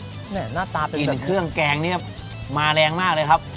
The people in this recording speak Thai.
น่ารับอาทานมากมากครับกินเครื่องแกงเนี่ยมาแรงมากเลยครับ